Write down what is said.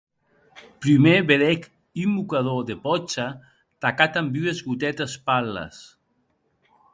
Prumèr vedec un mocador de pòcha tacat damb ues gotetes palles.